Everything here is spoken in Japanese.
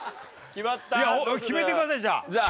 決めてくださいじゃあ。